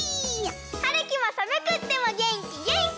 はるきもさむくってもげんきげんき！